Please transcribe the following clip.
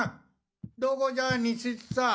どこじゃ西津さん。